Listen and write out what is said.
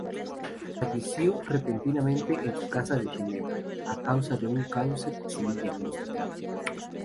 Falleció repentinamente en su casa de Ginebra, a causa de un cáncer sin diagnosticar.